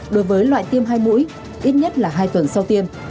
đối với loại tiêm hai mũi ít nhất là hai tuần sau tiêm